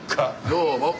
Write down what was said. どうも。